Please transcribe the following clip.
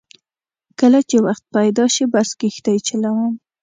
کله چې وخت پیدا شي بس کښتۍ چلوم.